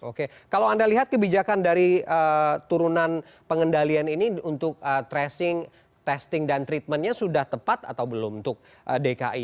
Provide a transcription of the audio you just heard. oke kalau anda lihat kebijakan dari turunan pengendalian ini untuk tracing testing dan treatmentnya sudah tepat atau belum untuk dki